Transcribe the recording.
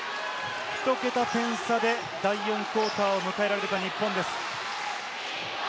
ひと桁点差で第４クオーターを迎えられるか日本です。